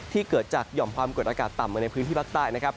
เกิดจากหย่อมความกดอากาศต่ำมาในพื้นที่ภาคใต้นะครับ